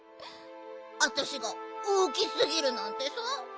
あたしがおおきすぎるなんてさ。